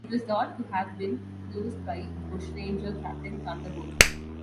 It was thought to have been used by bushranger Captain Thunderbolt.